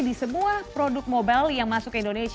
di semua produk mobile yang masuk ke indonesia